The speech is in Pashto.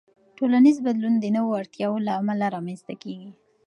ټولنیز بدلون د نوو اړتیاوو له امله رامنځته کېږي.